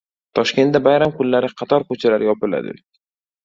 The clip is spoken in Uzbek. Toshkentda bayram kunlari qator ko‘chalar yopiladi